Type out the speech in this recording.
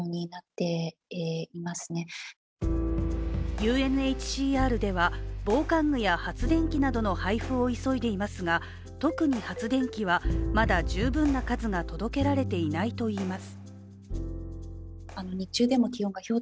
ＵＮＨＣＲでは防寒具や発電機などの配布を急いでいますが特に発電機はまだ十分な数が届けられていないといいます。